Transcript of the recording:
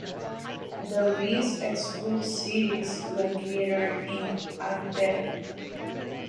The list excludes cities located in Agder.